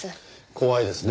怖いですね。